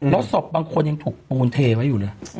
แล้วศพบางคนยังถูกปูนเทไว้อยู่เลย